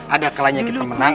ada kalahnya kita menang